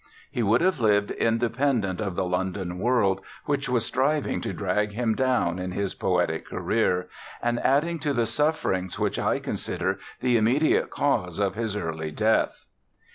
He would have lived independent of the London world, which was striving to drag him down in his poetic career, and adding to the sufferings which I consider the immediate cause of his early death.